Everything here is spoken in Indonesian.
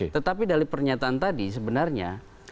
tetapi dari pernyataan tadi sebenarnya